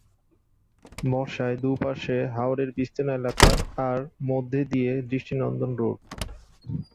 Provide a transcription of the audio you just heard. বর্ষায় দু'পাশে হাওরের বিস্তীর্ণ এলাকা আর মধ্যে দিয়ে দৃষ্টিনন্দন রোড।